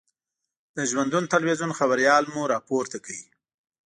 د ژوندون تلویزون خبریال مو را پورته کړ.